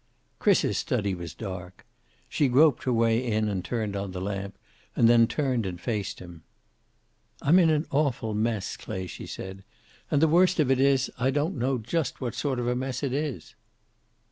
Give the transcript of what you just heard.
Chris's study was dark. She groped her way in and turned on the lamp, and then turned and faced him. "I'm in an awful mess, Clay," she said. "And the worst of it is, I don't know just what sort of a mess it is."